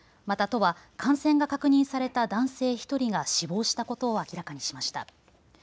また都は感染が確認された男性１人が死亡したことを明らかにしました。